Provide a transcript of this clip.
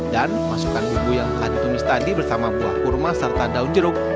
dan masukkan bumbu yang telah ditumis tadi bersama buah kurma serta daun jeruk